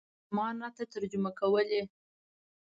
ترجمان راته ترجمه کولې.